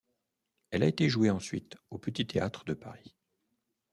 Elle a été jouée ensuite au Petit théâtre de Paris.